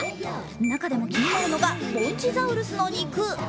中でも気になるのがぼんちザウルスの肉。